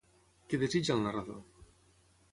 Què desitja el narrador?